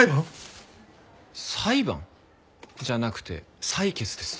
裁判？じゃなくて採血です。